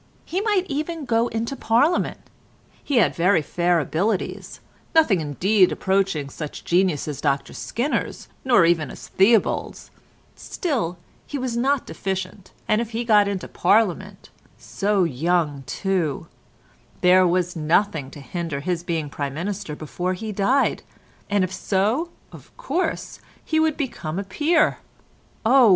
He might even go into Parliament. He had very fair abilities, nothing indeed approaching such genius as Dr Skinner's, nor even as Theobald's, still he was not deficient and if he got into Parliament—so young too—there was nothing to hinder his being Prime Minister before he died, and if so, of course, he would become a peer. Oh!